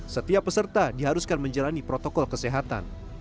setiap peserta diharuskan menjalani protokol kesehatan